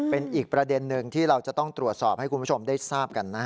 เป็นอีกประเด็นหนึ่งที่เราจะต้องตรวจสอบให้คุณผู้ชมได้ทราบกันนะฮะ